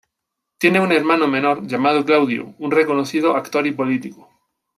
Tiene un hermano menor, llamado Claudio, un reconocido actor y político.